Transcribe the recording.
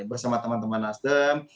bersama teman teman nasdem